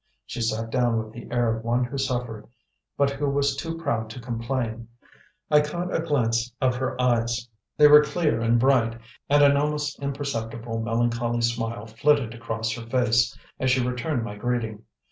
She sat down with the air of one who suffered, but who was too proud to complain. I caught a glance of her eyes; they were clear and bright, and an almost imperceptible melancholy smile flitted across her face as she returned my greeting.